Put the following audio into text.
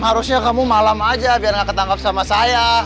harusnya kamu malam aja biar gak ketangkap sama saya